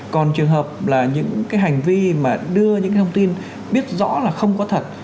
còn trường hợp là những cái hành vi mà đưa những cái thông tin biết rõ là không có thật